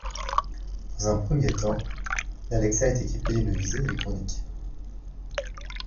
Dans un premier temps, l'Alexa est équipée d'une visée électronique.